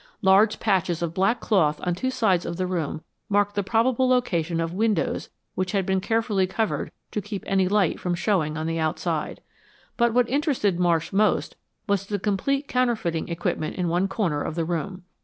Large patches of black cloth on two sides of the room marked the probable location of windows which had been carefully covered to keep any light from showing on the outside. But what interested Marsh most was the complete counterfeiting equipment in one corner of the room.